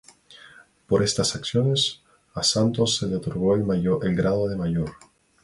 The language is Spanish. Por estas acciones, a Santos se le otorgó el grado de mayor.